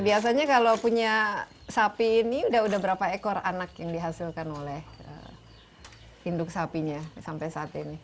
biasanya kalau punya sapi ini udah berapa ekor anak yang dihasilkan oleh induk sapinya sampai saat ini